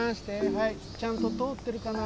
はいちゃんととおってるかな？